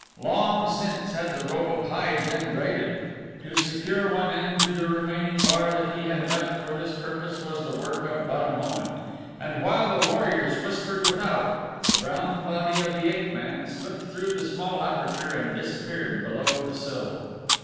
Long since had the rope of hide been braided. To secure one end to the remaining bar that he had left for this purpose was the work of but a moment, and while the warriors whispered without, the brown body of the ape man slipped through the small aperture and disappeared below the sill.